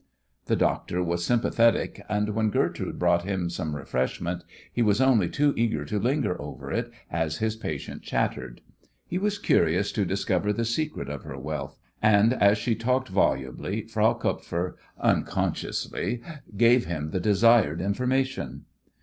The doctor was sympathetic, and when Gertrude brought him some refreshment he was only too eager to linger over it as his patient chattered. He was curious to discover the secret of her wealth, and as she talked volubly Frau Kupfer "unconsciously" gave him the desired information.